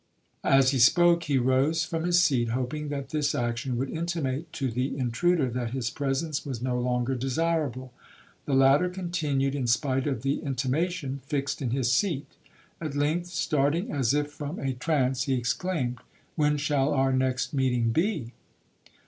'As he spoke, he rose from his seat, hoping that this action would intimate to the intruder, that his presence was no longer desirable. The latter continued, in spite of the intimation, fixed in his seat. At length, starting as if from a trance, he exclaimed, 'When shall our next meeting be?'